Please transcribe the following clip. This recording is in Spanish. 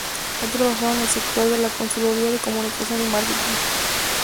Ha trabajado en el sector de la consultoría de comunicación y marketing.